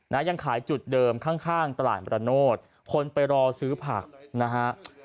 นะยังขายจุดเดิมข้างตลาดประโนชน์คนไปรอซื้อผักนะฮะ